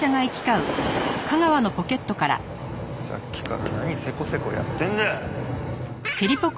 さっきから何せこせこやってんだ！？